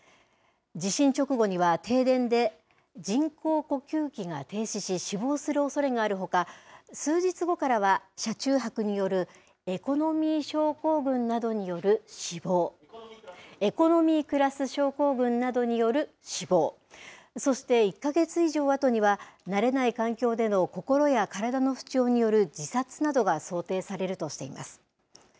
地震直後には、停電で人工呼吸器が停止し、死亡するおそれがあるほか、数日後からは、車中泊によるエコノミークラス症候群などによる死亡、そして１か月以上あとには、慣れない環境での心や体の不調による自殺などが想定されるとしています。